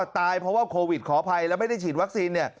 ตายเพราะว่าโควิดขออภัยแล้วไม่ได้ฉีดวัคซีนเนี่ย